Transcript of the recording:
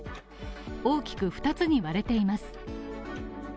大きく２つに割れています。